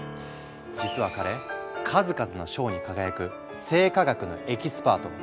実は彼数々の賞に輝く生化学のエキスパート。